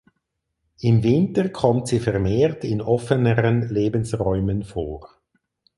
Im Winter kommt sie vermehrt in offeneren Lebensräumen vor.